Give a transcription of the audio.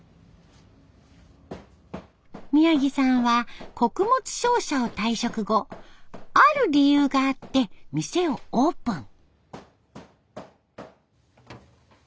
宮城さんは穀物商社を退職後ある理由があって店をオープン。